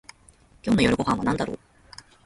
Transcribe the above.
今日の夜ご飯はなんだろう